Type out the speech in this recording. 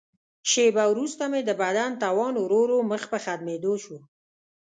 شیبه وروسته مې د بدن توان ورو ورو مخ په ختمېدو شو.